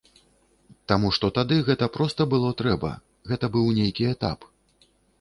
Таму што тады гэта проста было трэба, гэта быў нейкі этап.